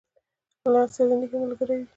لمسی د نیکه ملګری وي.